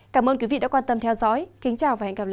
cảm ơn quý vị đã quan tâm theo dõi kính chào và hẹn gặp lại